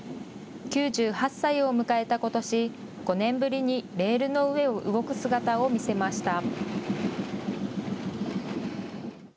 ９８歳を迎えたことし５年ぶりにレールの上を動く姿を見せました。